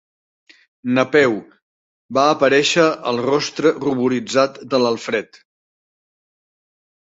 Napeu, va aparèixer el rostre ruboritzat de l'Alfred.